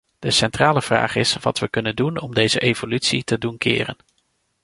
De centrale vraag is wat we kunnen doen om deze evolutie te doen keren.